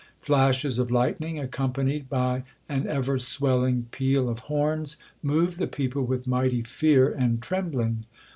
Flashes of lightning, accompanied by an ever swelling peal of horns, moved the people with mighty fear and trembling.